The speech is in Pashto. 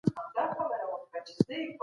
مغولو په منځني ختیځ کي ډېر پرمختګ وکړ.